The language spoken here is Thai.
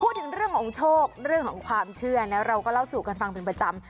พูดถึงเรื่องของโชคเรื่องของความเชื่อนะเราก็เล่าสู่กันฟังเป็นประจำ